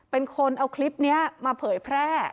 เป็นคนเอาคลิปนี้มาเผยแพร่